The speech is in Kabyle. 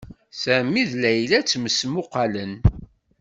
Sami d Layla ttmesmuqalen.